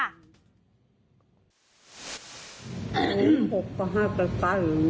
๖ต้องฝากเด็ดต้น